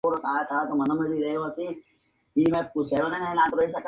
Desde el Topacio se pueden visitar dos cascadas.